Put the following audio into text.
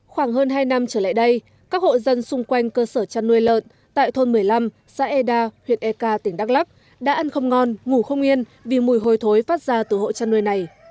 khoảng hơn hai năm trở lại đây các hộ dân xung quanh cơ sở chăn nuôi lợn tại thôn một mươi năm xã eda huyện ek tỉnh đắk lắc đã ăn không ngon ngủ không yên vì mùi hôi thối phát ra từ hộ chăn nuôi này